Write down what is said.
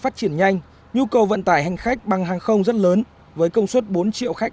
phát triển nhanh nhu cầu vận tải hành khách bằng hàng không rất lớn với công suất bốn triệu khách